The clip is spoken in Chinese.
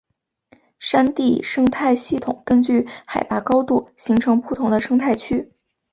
山地生态系统根据海拔高度形成不同的生态区。